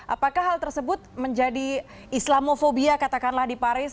apakah hal tersebut menjadi islamofobia katakanlah di paris